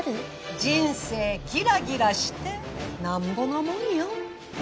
人生ギラギラしてなんぼのもんよ。